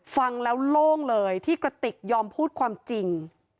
ฟังแล้วโล่งเลยที่กระติกยอมพูดความจริง